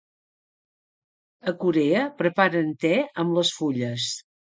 A Corea, preparen te amb les fulles.